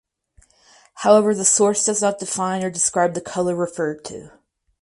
However the source does not define or describe the color referred to.